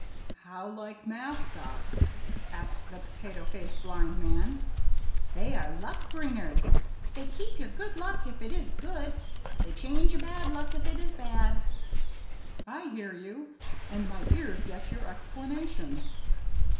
"How like mascots?" asked the Potato Face Blind Man. "They are luck bringers. They keep your good luck if it is good. They change your bad luck if it is bad." "I hear you and my ears get your explanations."